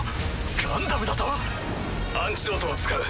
ガンダムだと⁉アンチドートを使う。